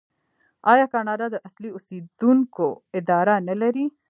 آیا کاناډا د اصلي اوسیدونکو اداره نلري؟